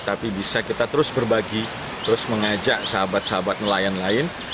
tapi bisa kita terus berbagi terus mengajak sahabat sahabat nelayan lain